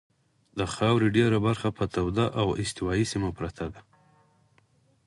د خاورې ډېره برخه په توده او استوایي سیمه پرته ده.